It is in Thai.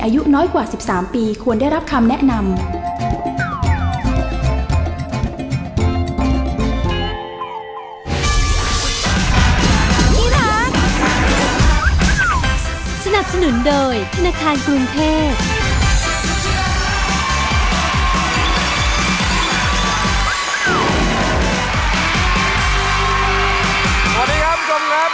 สวัสดีครับทุกคนครับ